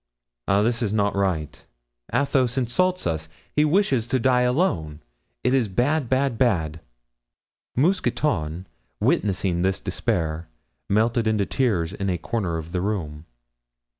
"Ah, this is not right; Athos insults us; he wishes to die alone; it is bad, bad, bad." Mousqueton, witnessing this despair, melted into tears in a corner of the room.